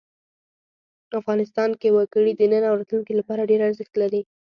افغانستان کې وګړي د نن او راتلونکي لپاره ډېر ارزښت لري.